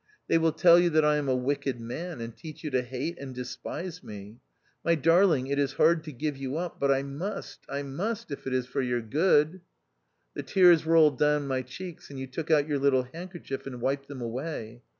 They will tell you that I am a wicked man, and teach you to hate and despise me. My darling, it is hard to give you up ; but I must — I must — if it is for your good." The tears rolled down my cheeks, and you took out your little handkerchief and wiped them away.